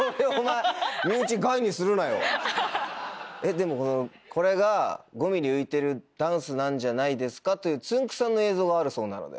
でもこれが５ｍｍ浮いてるダンスなんじゃないですかというつんく♂さんの映像があるそうなので。